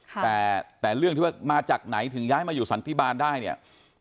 แต่แต่เรื่องที่ว่ามาจากไหนถึงย้ายมาอยู่สันติบาลได้เนี่ย